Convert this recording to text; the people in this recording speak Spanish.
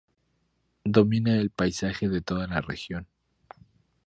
Domina el paisaje de toda la región.